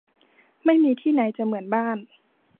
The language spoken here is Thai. ไม่มีที่ไหนจะเหมือนบ้าน